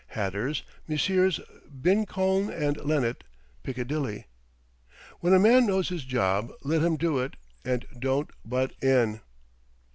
Hatters ... Messrs. Bincoln and Lennet, Piccadilly. When a man knows his job, let him do it and don't butt in."